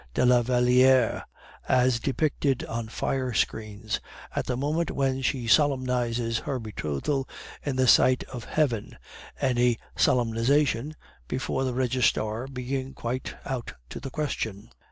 de la Valliere as depicted on fire screens, at the moment when she solemnizes her betrothal in the sight of heaven, any solemnization before the registrar being quite out to the question.